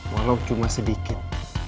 walau cuma sedikit